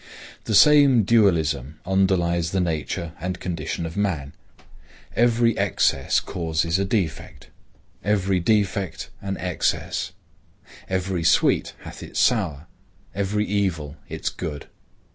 The same dualism underlies the nature and condition of man. Every excess causes a defect; every defect an excess. Every sweet hath its sour; every evil its good.